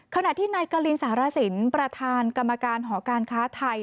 ขณะที่นายกะลินสารสินประธานกรรมการหอการค้าไทย